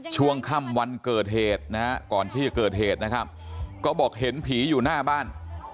ช่วงค่ำวันเกิดเหตุนะฮะก่อนที่จะเกิดเหตุนะครับก็บอกเห็นผีอยู่หน้าบ้าน